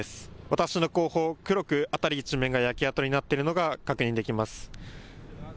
私の後方、黒く辺り一面が焼け跡になっているのが確認できます。